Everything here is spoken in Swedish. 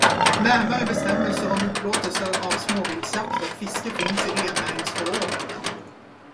Närmare bestämmelser om upplåtelser av småviltsjakt och fiske finns i rennäringsförordningen.